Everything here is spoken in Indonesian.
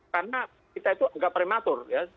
karena kita itu agak prematur ya